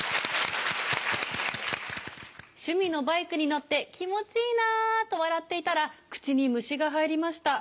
趣味のバイクに乗って気持ちいいなと笑っていたら口に虫が入りました。